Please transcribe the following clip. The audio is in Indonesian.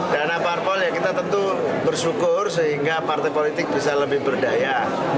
dana parpol ya kita tentu bersyukur sehingga partai politik bisa lebih berdaya